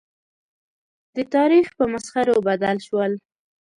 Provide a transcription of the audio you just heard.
د تاریخ په مسخرو بدل شول.